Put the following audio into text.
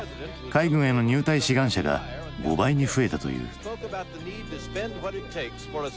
海軍への入隊志願者が５倍に増えたという。